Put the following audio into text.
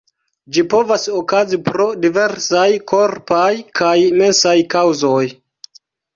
Ĝi povas okazi pro diversaj korpaj kaj mensaj kaŭzoj.